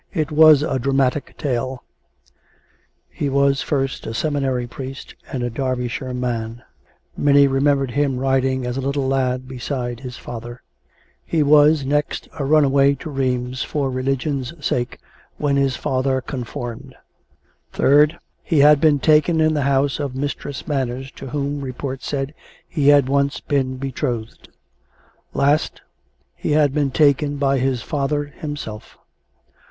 It was a dramatic tale: he was first a seminary priest and a Derbyshire man (many remembered him riding as a little lad beside his father) ; he was, next, a runaway to Rheims for religion's sake, when his father conformed; third, he had been taken in the house of Mistress Manners, to whom, report said, he had once been betrothed; last, he had been taken by his father himself.